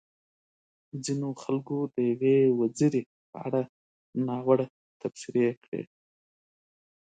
ځينو خلکو د يوې وزيرې په اړه ناوړه تبصرې کړې.